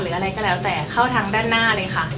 อะไรก็แล้วแต่เข้าทางด้านหน้าเลยค่ะ